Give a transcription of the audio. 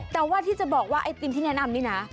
แต่ว่าที่จะบอกว่าไอติมที่แนะนำนี่นะ